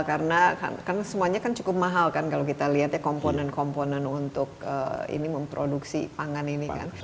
karena semuanya cukup mahal kalau kita lihat komponen komponen untuk memproduksi pangan ini